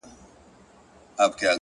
نیک عمل د وجدان باغ زرغونوي؛